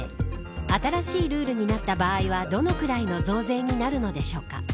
新しいルールになった場合はどのぐらいの増税になるのでしょうか。